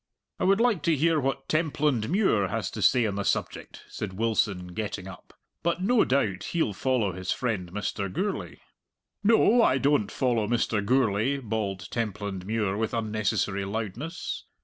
"I would like to hear what Templandmuir has to say on the subject," said Wilson, getting up. "But no doubt he'll follow his friend Mr. Gourlay." "No, I don't follow Mr. Gourlay," bawled Templandmuir with unnecessary loudness.